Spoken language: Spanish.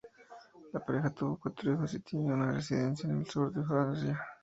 La pareja tuvo cuatro hijos y tiene una residencia en el sur de Francia.